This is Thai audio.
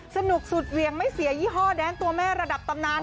สนุกสุดเหวี่ยงไม่เสียยี่ห้อแดนตัวแม่ระดับตำนาน